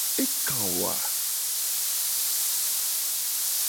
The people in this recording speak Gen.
Eka wo a?